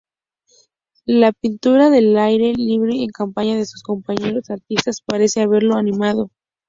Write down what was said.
La pintura al aire libre en compañía de sus compañeros artistas parece haberlo animado.